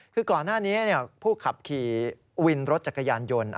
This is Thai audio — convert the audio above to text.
คือก่อนหน้านี้ผู้ขับขี่วินรถจักรยานยนต์